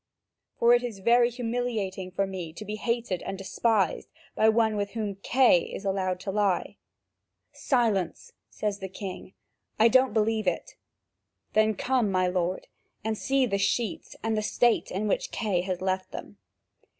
For it is very humiliating for me to be hated and despised by one with whom Kay is allowed to lie." "Silence!" says the king; "I don't believe it." "Then come, my lord, and see the sheets and the state in which Kay has left them.